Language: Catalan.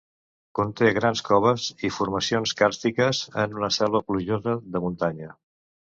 Conté grans coves i formacions càrstiques, en una selva plujosa de muntanya.